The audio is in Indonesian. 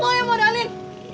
lo yang modalin